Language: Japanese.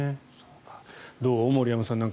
どう、森山さん。